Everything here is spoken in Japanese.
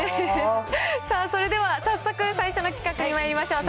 さあ、それでは、早速、最初の企画にまいりましょう。